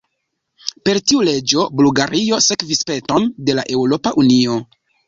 Per tiu leĝo Bulgario sekvis peton de la Eŭropa Unio.